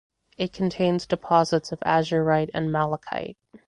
It contains deposits of azurite and malachite.